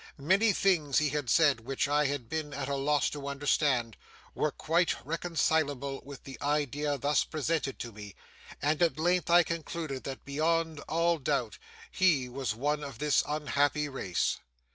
Many things he had said which I had been at a loss to understand, were quite reconcilable with the idea thus presented to me, and at length I concluded that beyond all doubt he was one of this unhappy race.